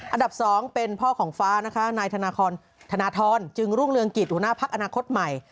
อันดับ๒เป็นพ่อของฟ้านะคะนายธนทรจึงรุ่งเรืองกิจหัวหน้าพักอนาคตใหม่